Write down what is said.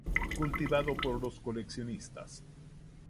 Cultivado por los coleccionistas.